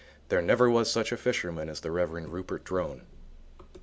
There never was such a fisherman as the Rev. Rupert Drone.